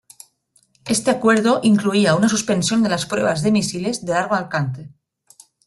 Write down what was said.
Este acuerdo incluía una suspensión de las pruebas de misiles de largo alcance.